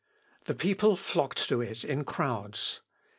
The people flocked to it in crowds.